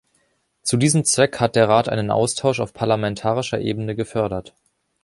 Zu diesem Zweck hat der Rat einen Austausch auf parlamentarischer Ebene gefördert.